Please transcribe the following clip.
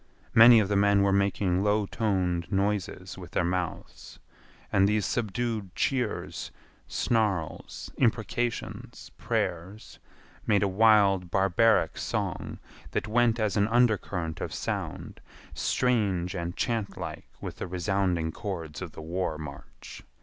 Many of the men were making low toned noises with their mouths, and these subdued cheers, snarls, imprecations, prayers, made a wild, barbaric song that went as an undercurrent of sound, strange and chantlike with the resounding chords of the war march.